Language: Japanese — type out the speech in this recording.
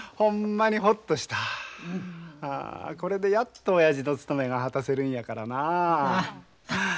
これでやっと親父の務めが果たせるんやからなあ。